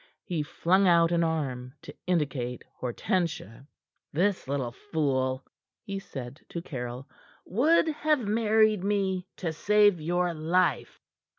He flung out an arm to indicate Hortensia. "This little fool," he said to Caryll, "would have married me to save your life."